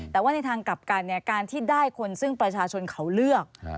แต่ว่าในทางกลับกันการที่ได้คนซึ่งประชาชนเขาเลือก